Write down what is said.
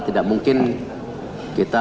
tidak mungkin kita